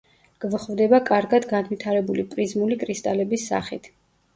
გვხვდება კარგად განვითარებული პრიზმული კრისტალების სახით.